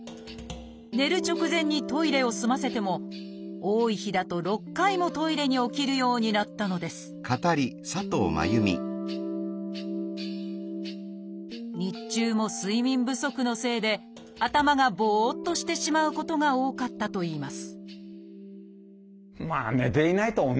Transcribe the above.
寝る直前にトイレを済ませても多い日だと６回もトイレに起きるようになったのです日中も睡眠不足のせいで頭がぼっとしてしまうことが多かったといいます